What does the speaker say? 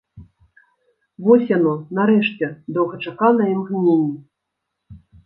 Вось яно, нарэшце, доўгачаканае імгненне!